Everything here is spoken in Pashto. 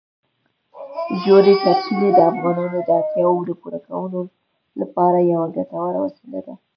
ژورې سرچینې د افغانانو د اړتیاوو د پوره کولو لپاره یوه ګټوره وسیله ده.